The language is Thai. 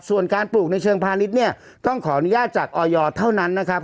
ส่วนการปลูกในเชิงพาณิชย์เนี่ยต้องขออนุญาตจากออยเท่านั้นนะครับ